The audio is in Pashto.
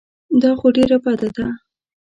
دا خو ډېره بده ده.